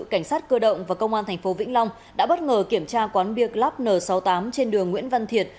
cảnh sát cơ động và công an tp vĩnh long đã bất ngờ kiểm tra quán beer club n sáu mươi tám trên đường nguyễn văn thiệt